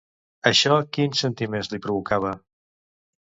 Això quins sentiments li provocava?